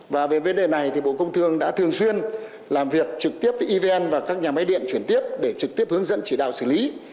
và về vấn đề này thì bộ công thương đã thường xuyên làm việc trực tiếp với evn và các nhà máy điện chuyển tiếp để trực tiếp hướng dẫn chỉ đạo xử lý